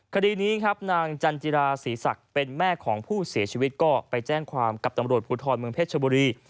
คดีนี้ครับนางจันจิราศรีศักดิ์เป็นแม่ของผู้เสียชีวิตก็ไปแจ้งความกับตำรวจภูทรเมืองเพชรชบุรี